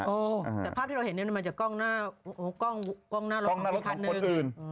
แต่ภาพที่เราเห็นนี่มันจะกล้องหน้าลดของคนอื่น